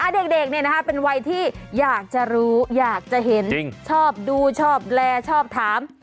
เด็กเป็นวัยที่อยากจะรู้อยากจะเห็นชอบดูชอบแลชอบถาม